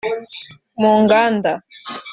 mu nganda